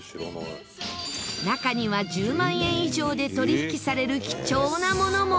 中には１０万円以上で取引される貴重なものも。